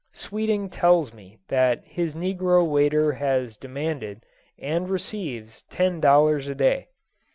Sweeting tells me that his negro waiter has demanded and receives ten dollars a day.